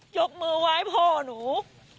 ยกมือไหว้พ่อหนู